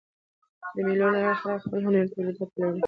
د مېلو له لاري خلک خپل هنري تولیدات پلوري.